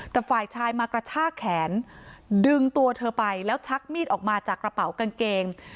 แต่ฝ่ายชายมากระชากแขนดึงตัวเธอไปแล้วชักมีดออกมาจากกระเป๋ากางเกง